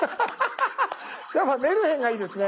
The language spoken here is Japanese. やっぱ「メルヘン」がいいですね。